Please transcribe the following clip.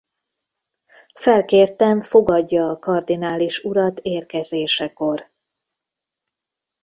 Felkértem fogadja a kardinális urat érkezésekor.